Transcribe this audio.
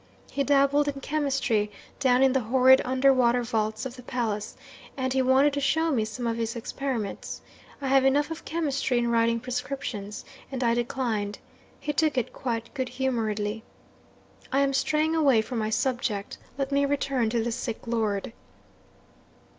He dabbled in chemistry, down in the horrid under water vaults of the palace; and he wanted to show me some of his experiments. I have enough of chemistry in writing prescriptions and I declined. He took it quite good humouredly. '"I am straying away from my subject. Let me return to the sick lord.